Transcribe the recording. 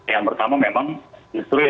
yang pertama memang justru